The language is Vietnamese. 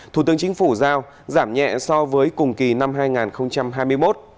thủ tướng chính phủ giao giảm nhẹ so với cùng kỳ năm hai nghìn hai mươi một